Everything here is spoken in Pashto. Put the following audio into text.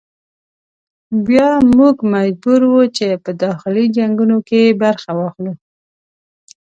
بیا موږ مجبور وو چې په داخلي جنګونو کې برخه واخلو.